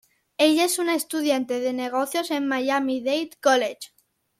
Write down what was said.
Ella es una estudiante de negocios en Miami Dade College.